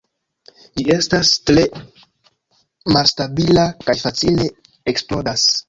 Ĝi estas tre malstabila kaj facile eksplodas.